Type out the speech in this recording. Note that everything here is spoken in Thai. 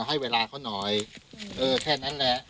ให้เวลาเขาหน่อยเออแค่นั้นแหละ